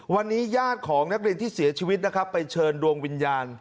วันนี้ญาติของนักเรียนที่เสียชีวิตนะครับไปเชิญดวงวิญญาณ